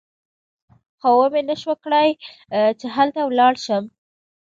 خو ومې نه شوای کړای چې هلته ولاړ شم.